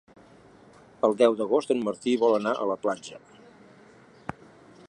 El deu d'agost en Martí vol anar a la platja.